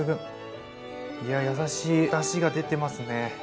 いや優しいだしが出てますね！